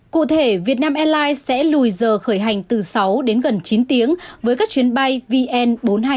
cụ thể việt nam airlines sẽ lùi giờ khởi hành từ sáu đến gần chín tiếng với các chuyến bay vn bốn trăm hai mươi